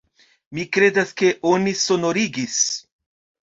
Mi kredas ke oni sonorigis.